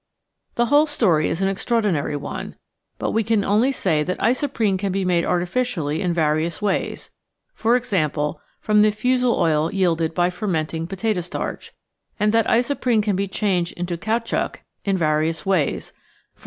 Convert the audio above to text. The whole story is an extraordinary one, but we can only say that isoprene can be made artificially in various ways, e.g. from the fusel oil yielded by fermenting potato starch; and that isoprene can be changed into caoutchouc in va rious ways, e.